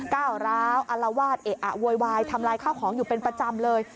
ก้าวร้าวอลวาดเอะอะโวยวายทำลายข้าวของอยู่เป็นประจำเลย